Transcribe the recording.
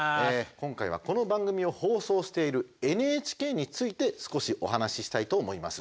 今回はこの番組を放送しているＮＨＫについて少しお話ししたいと思います。